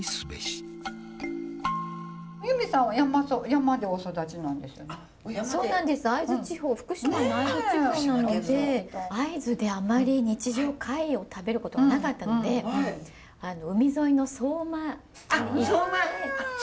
福島の会津地方なので会津であまり日常貝を食べることはなかったので海沿いの相馬に行って。